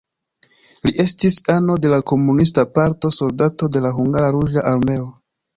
Li estis ano de la komunista partio, soldato de la hungara ruĝa armeo.